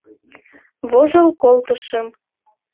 — Вожыл колтышым.